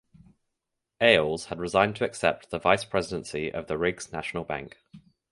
Ailes had resigned to accept the vice presidency of the Riggs National Bank.